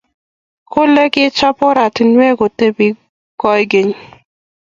kole kechop oratinwek kotebi koek geny